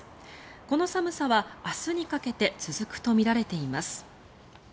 この寒さは明日にかけて続くとみられています。